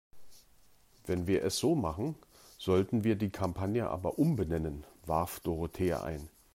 Wenn wir es so machen, sollten wir die Kampagne aber umbenennen, warf Dorothea ein.